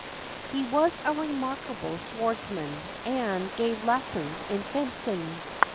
He was a remarkable swordsman, and gave lessons in fencing.